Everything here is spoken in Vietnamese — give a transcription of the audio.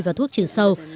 và thuốc trừ sâu